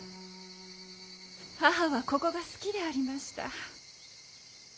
母はここが好きでありました。